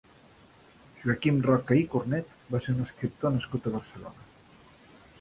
Joaquim Roca i Cornet va ser un escriptor nascut a Barcelona.